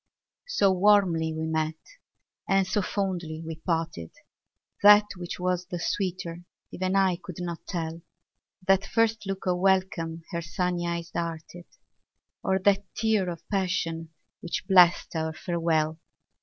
So warmly we met and so fondly we parted, That which was the sweeter even I could not tell, That first look of welcome her sunny eyes darted, Or that tear of passion, which blest our farewell.